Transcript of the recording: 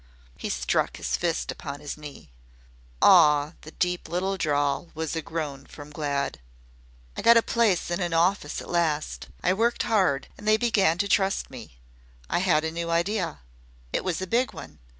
He struck his fist upon his knee. "Aw!" The deep little drawl was a groan from Glad. "I got a place in an office at last. I worked hard, and they began to trust me. I had a new idea. It was a big one.